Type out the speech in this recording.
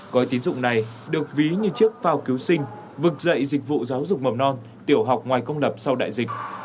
gói tín dụng này được ví như chiếc phao cứu sinh vực dậy dịch vụ giáo dục mầm non tiểu học ngoài công lập sau đại dịch